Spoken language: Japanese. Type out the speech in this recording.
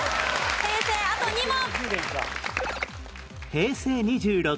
平成あと２問。